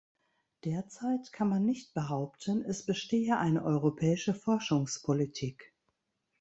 Derzeit kann man nicht behaupten, es bestehe eine europäische Forschungspolitik.